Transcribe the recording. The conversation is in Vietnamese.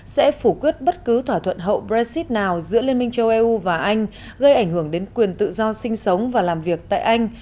sẽ phủ quyết bất cứ thỏa thuận hậu brexit nào giữa liên minh châu âu và anh gây ảnh hưởng đến quyền tự do sinh sống và làm việc tại anh